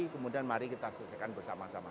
kemudian mari kita selesaikan bersama sama